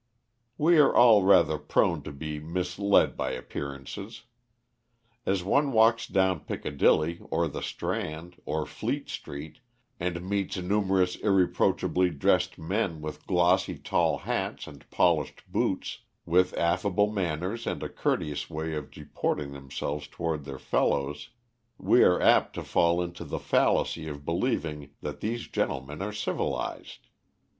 We are all rather prone to be misled by appearances. As one walks down Piccadilly, or the Strand, or Fleet Street and meets numerous irreproachably dressed men with glossy tall hats and polished boots, with affable manners and a courteous way of deporting themselves toward their fellows, we are apt to fall into the fallacy of believing that these gentlemen are civilised.